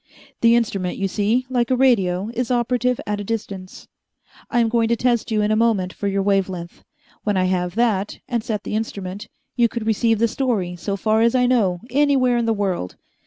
"The instrument, you see, like a radio, is operative at a distance. I am going to test you in a moment for your wavelength. When I have that, and set the instrument, you could receive the story, so far as I know, anywhere in the world.